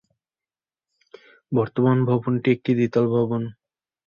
বর্তমান ভবনটি একটি দ্বিতল ভবন।